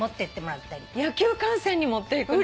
野球観戦に持っていくの？